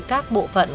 các bộ phận